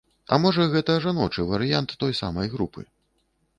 А можа гэта жаночы варыянт той самай групы.